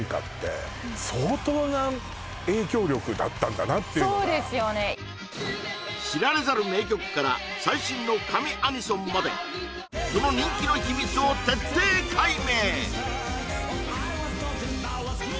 んだなっていうのが知られざる名曲から最新の神アニソンまでその人気の秘密を徹底解明